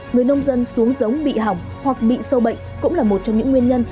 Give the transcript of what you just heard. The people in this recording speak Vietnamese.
người nông dân xuống giống bị hỏng hoặc bị sâu bệnh cũng là một trong những nguyên nhân